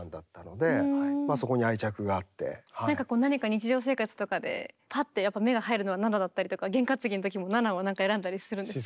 何か日常生活とかでパッてやっぱ目が入るのは７だったりとか験担ぎの時も７を選んだりするんですか？